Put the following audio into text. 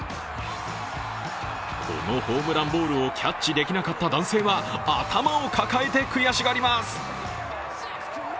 このホームランボールをキャッチできなかった男性は頭を抱えて悔しがります。